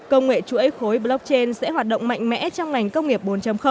công nghệ chuỗi khối blockchain sẽ hoạt động mạnh mẽ trong ngành công nghiệp bốn